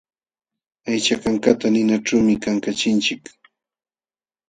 Aycha kankata ninaćhuumi kankachinchik.